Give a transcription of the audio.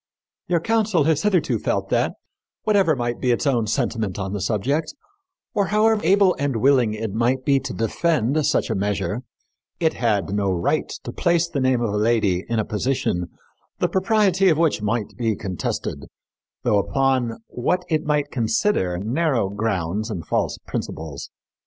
Your council has hitherto felt that, whatever might be its own sentiment on the subject, or however able and willing it might be to defend such a measure, it had no right to place the name of a lady in a position the propriety of which might be contested, though upon what it might consider narrow grounds and false principles.